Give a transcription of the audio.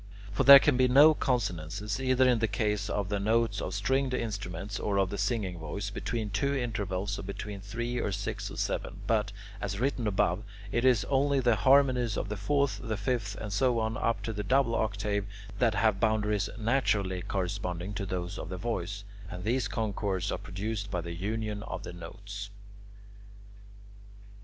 For there can be no consonances either in the case of the notes of stringed instruments or of the singing voice, between two intervals or between three or six or seven; but, as written above, it is only the harmonies of the fourth, the fifth, and so on up to the double octave, that have boundaries naturally corresponding to those of the voice: and these concords are produced by the union of the notes.